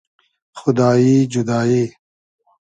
خودایی جودایی